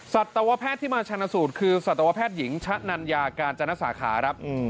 สัตวแพทย์ที่มาชนะสูตรคือสัตวแพทย์หญิงชะนัญญากาญจนสาขาครับ